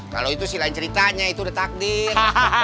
kalo itu silain ceritanya itu udah takdir